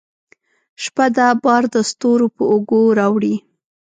شپه ده بار دستورو په اوږو راوړي